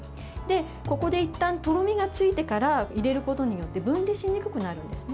ここでいったんとろみが付いてから入れることによって分離しにくくなるんですね。